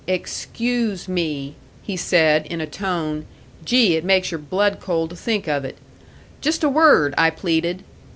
'Excuse me,' he said, in a tone gee, it makes your blood cold to think of it! 'Just a word,' I pleaded.